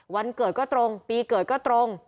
วันเกิดก็ตรงปีเกิดก็ตรง